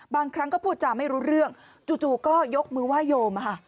บางครั้งก็พูดจาไม่รู้เรื่องจู่ก็ยกมือไหว้โยม